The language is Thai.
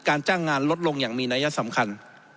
จ้างงานลดลงอย่างมีนัยสำคัญ